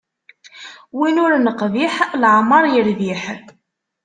Win ur neqbiḥ leɛmeṛ irbiḥ.